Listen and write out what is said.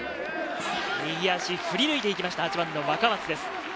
右足振り抜いていきました、８番の若松です。